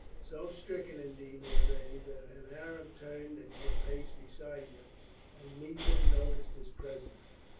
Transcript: So stricken, indeed, were they that an Arab turned and kept pace beside them, and neither noticed his presence.